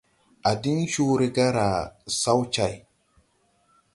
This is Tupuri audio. À diŋ coore garà sawcày.